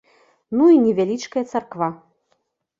Ну і невялічкая царква.